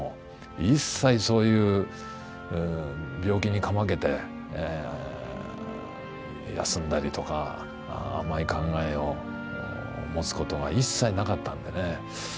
一切そういう病気にかまけて休んだりとか甘い考えを持つことは一切なかったんでね。